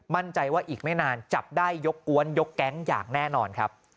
มั่นใจว่าอีกไม่นานจับได้ยกกวนยกแก๊งอย่างแน่นอนครับ